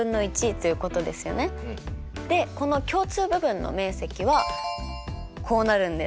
でこの共通部分の面積はこうなるんです。